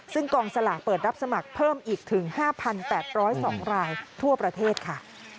ซึ่งกองสลากเปิดรับสมัครเพิ่มอีกถึง๕๘๐๒รายทั่วประเทศค่ะ